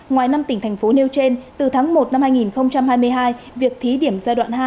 ngoài năm tỉnh thành phố nêu trên từ tháng một năm hai nghìn hai mươi hai việc thí điểm giai đoạn hai